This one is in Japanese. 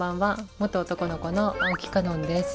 元男の子の青木歌音です。